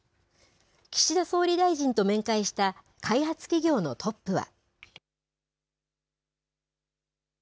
岸田総理大臣と面会した開発企業のトップは。